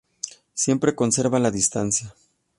Siempre conserva la distancia.